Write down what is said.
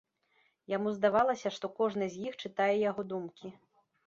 Яму здавалася, што кожны з іх чытае яго думкі.